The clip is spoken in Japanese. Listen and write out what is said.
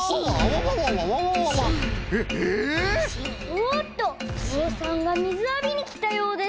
おおっとぞうさんがみずあびにきたようです！